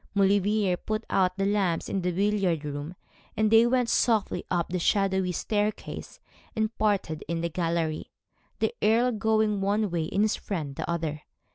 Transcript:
Maulevrier put out the lamps in the billiard room, and then they went softly up the shadowy staircase, and parted in the gallery, the Earl going one way, and his friend the other.